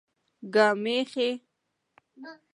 ګامېښې